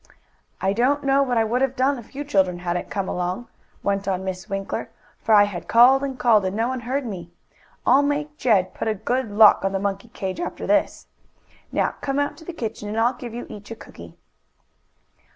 "I don't know what I would have done if you children hadn't come along," went on Miss Winkler, "for I had called and called, and no one heard me. I'll make Jed put a good lock on the monkey cage after this. Now come out to the kitchen and I'll give you each a cookie."